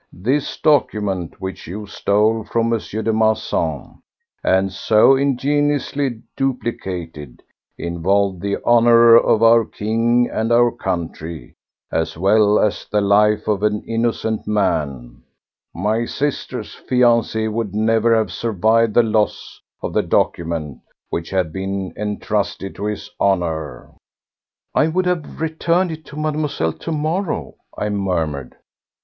This document, which you stole from M. de Marsan and so ingeniously duplicated, involved the honour of our King and our country, as well as the life of an innocent man. My sister's fiancé would never have survived the loss of the document which had been entrusted to his honour." "I would have returned it to Mademoiselle to morrow," I murmured.